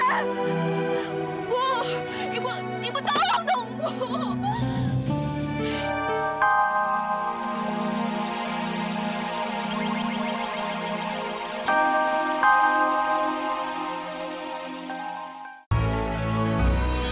tante tante ibu tolong dong tante